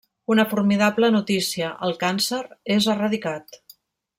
Una formidable notícia: el càncer és erradicat.